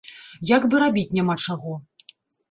Як бы рабіць няма чаго.